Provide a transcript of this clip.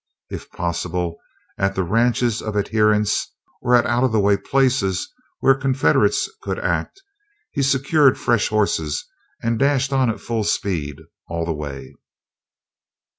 If possible, at the ranches of adherents, or at out of the way places where confederates could act, he secured fresh horses and dashed on at full speed all the way.